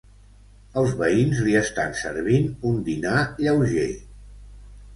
Els veïns li estan servint un dinar lleuger.